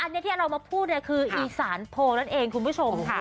อันนี้ที่เรามาพูดเนี่ยคืออีสานโพลนั่นเองคุณผู้ชมค่ะ